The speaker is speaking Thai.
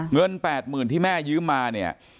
เงิน๘๐๐๐ที่แม่ยืมมาเนี่ย